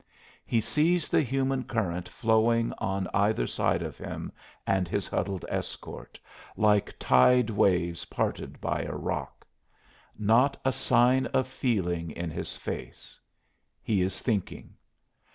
He sees the human current flowing on either side of him and his huddled escort, like tide waves parted by a rock. Not a sign of feeling in his face; he is thinking.